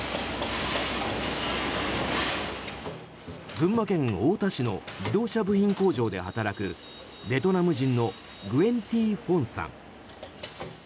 群馬県太田市の自動車部品工場で働くベトナム人のグエン・ティ・フォンさん。